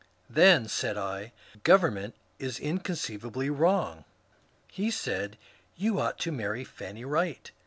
^^ Then," said I, ^* government is incon ceivably wrong." He said, "You ought to marry Fanny Wright.